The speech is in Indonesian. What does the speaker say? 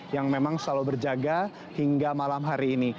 yang memang selalu berjaga hingga malam hari ini